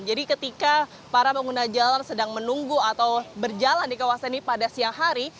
jadi ketika para pengguna jalan sedang menunggu atau berjalan di kawasan ini pada siang hari